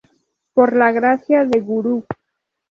Por la gracia del gurú.